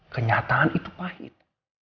kenyataan itu pahit